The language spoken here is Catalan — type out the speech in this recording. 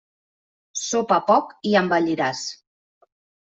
Sopa poc i envelliràs.